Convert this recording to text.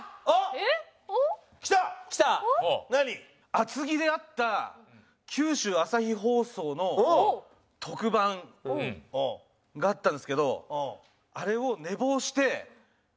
厚木であった九州朝日放送の特番があったんですけどあれを寝坊して飛ばした。